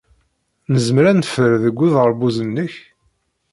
Nezmer ad neffer deg uderbuz-nnek?